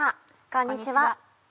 こんにちは。